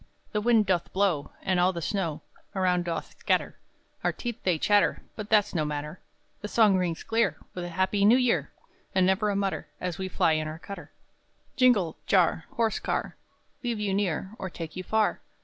The wind doth blow, And all the snow Around doth scatter; Our teeth they chatter, But that's no matter The song rings clear With a Happy New Year, And never a mutter, As we fly in our cutter. [Trot to Boston] Jingle, jar, horse car, Leave you near, or take you far.